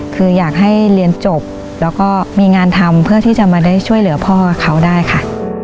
คืออยากให้เรียนจบแล้วก็มีงานทำเพื่อที่จะมาได้ช่วยเหลือพ่อเขาได้ค่ะ